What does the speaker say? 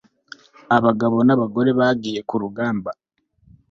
Abagabo nabagore bagiye ku rugamba